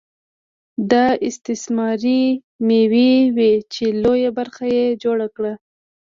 دا استثماري مېوې وې چې لویه برخه یې جوړه کړه